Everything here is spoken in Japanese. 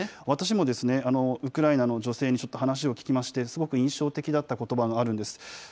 私も、ウクライナの女性にちょっと話を聞きまして、すごく印象的だったことばがあるんです。